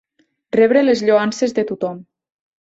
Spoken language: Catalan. Rebre les lloances de tothom.